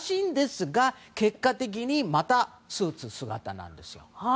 結果的にまたスーツ姿なんです。